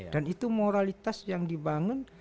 dan itu moralitas yang dibangun